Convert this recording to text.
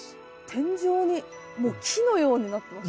天井にもう木のようになってます。